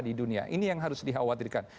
di dunia ini yang harus dikhawatirkan